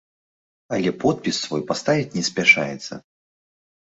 Але подпіс свой паставіць не спяшаецца.